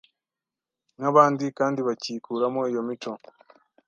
nk’abandi kandi bakikuramo iyo mico